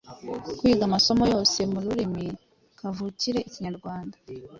kwiga amasomo yose mu rurimi kavukire ikinyarwanda